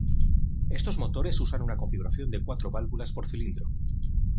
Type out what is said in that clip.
Estos motores usan una configuración de cuatro válvulas por cilindro.